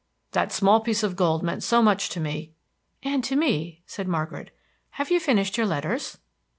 "That small piece of gold meant so much to me." "And to me," said Margaret. "Have you finished your letters?"